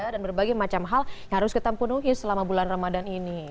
dan berbagai macam hal yang harus kita penuhi selama bulan ramadhan ini